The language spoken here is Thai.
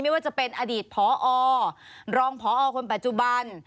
ไม่ว่าจะเป็นอดีตพอรองพอคนปัจจุบัน